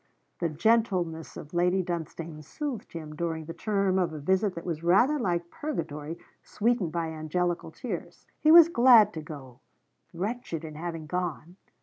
The gentleness of Lady Dunstane soothed him during the term of a visit that was rather like purgatory sweetened by angelical tears. He was glad to go, wretched in having gone.